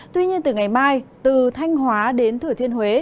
tuy nhiên từ ngày mai từ thanh hóa đến thửa thiên huế